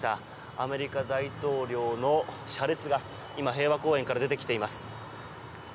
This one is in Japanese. アメリカ大統領の車列が今、平和公園から出てきています。